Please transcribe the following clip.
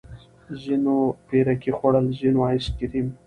ځينو پيركي خوړل ځينو ايس کريم.